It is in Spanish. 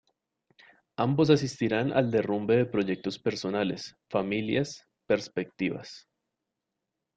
Ambos asistirán al derrumbe de proyectos personales, familias, perspectivas.